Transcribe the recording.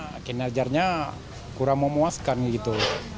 ya kinerjarnya kurang memuaskan gitu